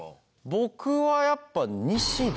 僕はやっぱ。